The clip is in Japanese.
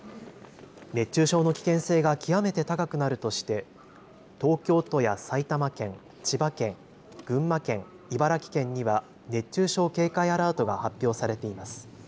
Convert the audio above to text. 熱中症の危険性が極めて高くなるとして東京都や埼玉県、千葉県、群馬県、茨城県には熱中症警戒アラートが発表されています。